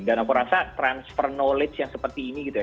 dan aku rasa transfer knowledge yang seperti ini gitu ya